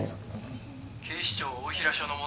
警視庁大平署の者です。